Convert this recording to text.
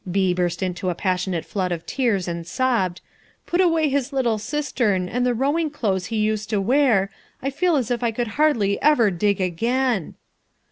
B burst into a passionate flood of tears and sobbed, "Put away his little cistern and the rowing clothes he used to wear, I feel as if I could hardly ever dig again."